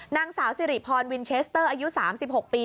นางสาวสิริพรวินเชสเตอร์อายุ๓๖ปี